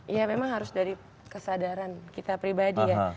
ya memang harus dari kesadaran kita pribadi ya